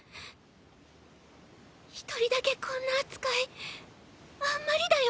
一人だけこんな扱いあんまりだよ。